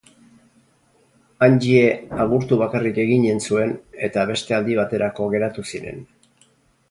Angie agurtu bakarrik eginen zuen eta beste aldi baterako geratuko ziren.